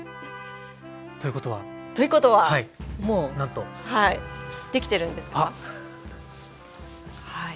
ということは。ということはもうできてるんですか？